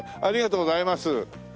ありがとうございます。